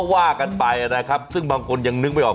ว่ากันไปนะครับซึ่งบางคนยังนึกไม่ออก